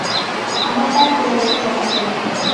আমার পায়ের গোরালিতে ব্যথা করে।